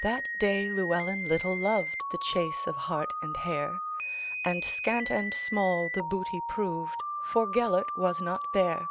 That day Llewelyn little lovedThe chase of hart and hare; And scant and small the booty proved, For Gêlert was not there.